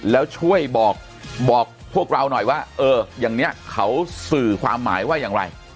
แล้วช่วยบอกพวกเราหน่อยว่าเอออย่างนี้เขาสื่อความหมายว่าอย่างไร